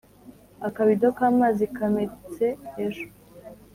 akabido kamazi kametse ejo